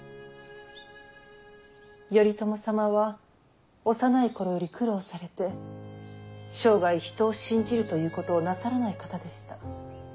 頼朝様は幼い頃より苦労されて生涯人を信じるということをなさらない方でした。